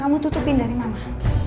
kamu tutupin dari mama